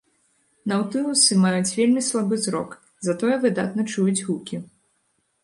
Наўтылусы маюць вельмі слабы зрок, затое выдатна чуюць гукі.